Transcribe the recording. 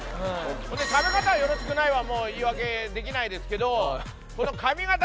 食べ方がよろしくないはもう言い訳できないですけど髪形